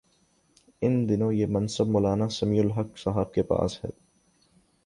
ان دنوں یہ منصب مو لانا سمیع الحق صاحب کے پاس ہے۔